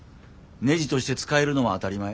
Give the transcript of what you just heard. ねじとして使えるのは当たり前。